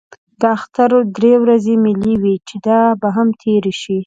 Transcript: د اختر درې ورځې مېلې وې چې دا به هم تېرې شي.